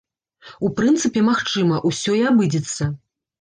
У прынцыпе, магчыма, усё і абыдзецца.